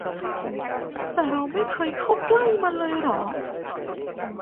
แต่เราไม่เคยเข้าใกล้มันเลยเหรอ ?